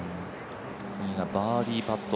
次がバーディーパット。